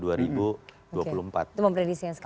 oke itu mempredisinya sekarang ya